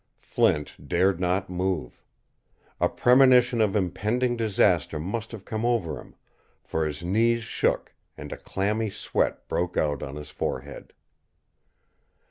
Flint dared not move. A premonition of impending disaster must have come over him, for his knees shook and a clammy sweat broke out on his forehead.